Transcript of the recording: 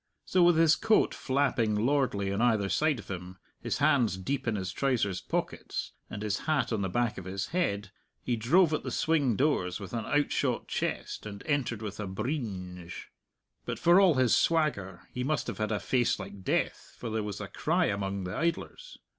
So with his coat flapping lordly on either side of him, his hands deep in his trousers pockets, and his hat on the back of his head, he drove at the swing doors with an outshot chest, and entered with a "breenge." But for all his swagger he must have had a face like death, for there was a cry among the idlers.